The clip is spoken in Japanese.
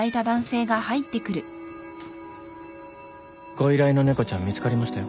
・ご依頼の猫ちゃん見つかりましたよ。